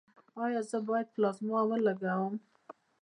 ایا زه باید پلازما ولګوم؟